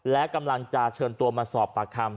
และกำลังจะเชิญตัวมาสอบปากคำ